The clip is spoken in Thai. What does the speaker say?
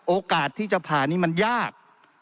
โอกาสที่จะผ่านนี่มันยาก